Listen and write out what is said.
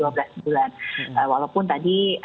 bulan walaupun tadi